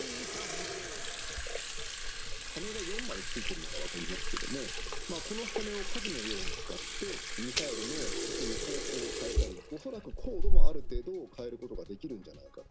羽が４枚付いているのが分かりますけれども、この羽をかじのように使って、ミサイルの進む方向を変えたり、恐らく高度もある程度変えることができるんではないかと。